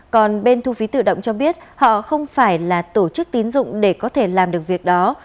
còn bên thu phí tự động cho biết họ không phải là tổ chức tín dụng để có thể làm được việc đó